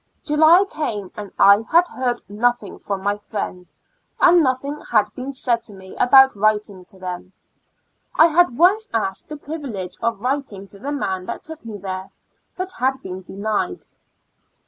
July came, and I had heard nothing from my friends, and nothing had been said to me about writing to them. I had once asked the privilege of writing to the man that took me there, but had been denied.